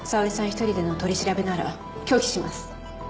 一人での取り調べなら拒否します。